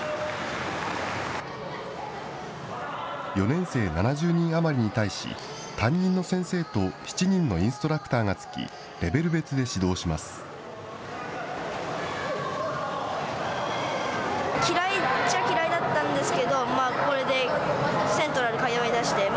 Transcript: ４年生７０人余りに対し、担任の先生と７人のインストラクターが付き、レベル別で指導します。